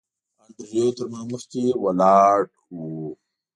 انډریو تر ما مخکې ولاړ.